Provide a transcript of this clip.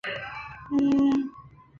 苏联时期改以苏联少年先锋队命名。